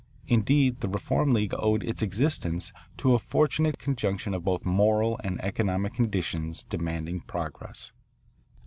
Indeed the Reform League owed its existence to a fortunate conjunction of both moral and economic conditions demanding progress.